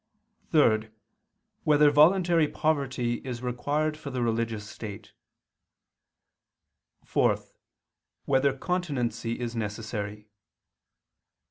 (3) Whether voluntary poverty is required for the religious state? (4) Whether continency is necessary?